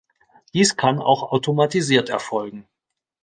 Dies kann auch automatisiert erfolgen.